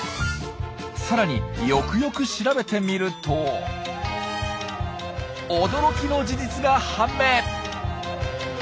さらによくよく調べてみると驚きの事実が判明！